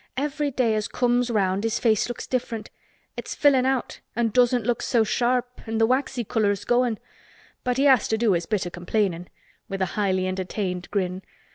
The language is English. "Every day as comes round his face looks different. It's fillin' out and doesn't look so sharp an' th' waxy color is goin'. But he has to do his bit o' complainin'," with a highly entertained grin.